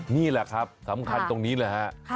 นี่แหละครับสำคัญตรงนี้เลยฮะ